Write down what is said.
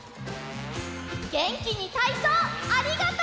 げんきにたいそうありがとう！